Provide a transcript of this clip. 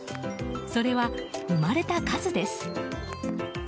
それは、生まれた数です。